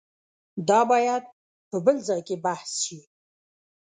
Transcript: دا باید په بل ځای کې بحث شي.